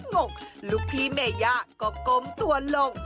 หงกลูกพี่แม่ยาก็กลมตัวหลง